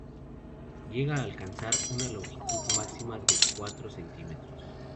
Llega a alcanzar una longitud máxima de unos cuatro centímetros.